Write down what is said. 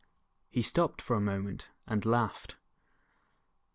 He stopped for a moment and laughed.